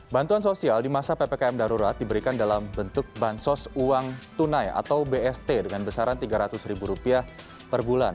bantuan sosial di masa ppkm darurat diberikan dalam bentuk bansos uang tunai atau bst dengan besaran rp tiga ratus ribu rupiah per bulan